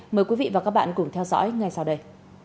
mời quý vị và các bạn cùng theo dõi ngay sau đây